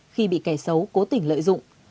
khi bị kẻ xấu cố tình lợi dụng